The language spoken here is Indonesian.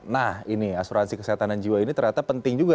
nah ini asuransi kesehatan dan jiwa ini ternyata penting juga